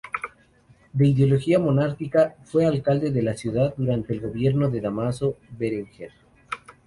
De ideología monárquica, fue alcalde de la ciudad durante el gobierno de Dámaso Berenguer.